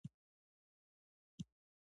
علامه اقبال احیای فکر نوم ورکړی.